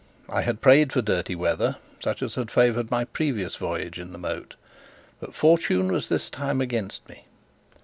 I had prayed for dirty weather, such as had favoured my previous voyage in the moat, but Fortune was this time against me.